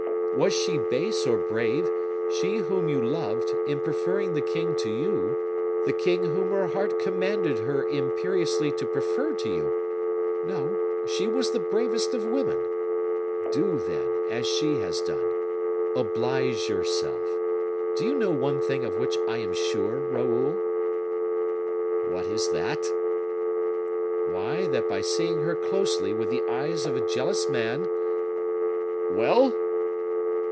Was she base or brave, she whom you loved, in preferring the king to you, the king whom her heart commanded her imperiously to prefer to you? No, she was the bravest of women. Do, then, as she has done. Oblige yourself. Do you know one thing of which I am sure, Raoul?" "What is that?" "Why, that by seeing her closely with the eyes of a jealous man " "Well?"